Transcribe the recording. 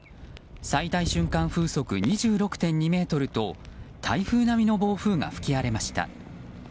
最大瞬間風速２６．２メートルと台風並みの暴風が吹き荒れました。